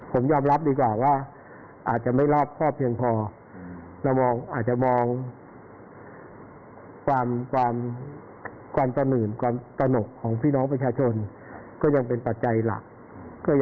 ผมยอมรับดีกว่าว่าอาจจะไม่รอบครอบเพียงพอเรามองอาจจะมองความตื่นความตนกของพี่น้องประชาชนก็ยังเป็นปัจจัยหลัก